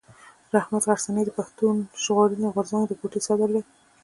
رحمت غرڅنی د پښتون ژغورني غورځنګ د کوټي صدر دی.